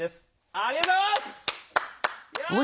ありがとうございます！